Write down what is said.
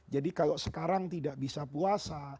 jadi kalau sekarang tidak bisa puasa